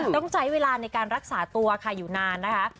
ต้องใช้เวลาในการรักษาตัวค่ะอยู่นานนะคะ